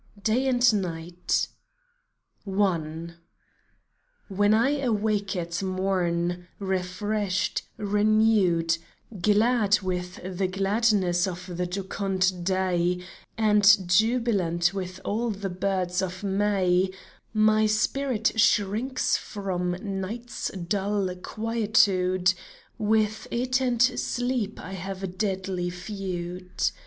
DAY AND NIGHT When I awake at morn, refreshed, renewed, Glad with the gladness of the jocund day And jubilant with all the birds of May, My spirit shrinks from Night's dull quietude. With it and Sleep I have a deadly feud.